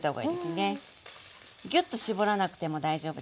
ギュッと絞らなくても大丈夫です。